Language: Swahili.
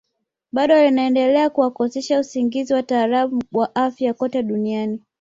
Bado linaendelea kuwakosesha usingizi wataalamu wa afya kote duniani